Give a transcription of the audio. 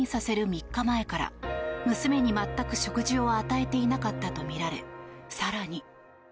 ３日前から娘に、全く食事を与えていなかったとみられ更に。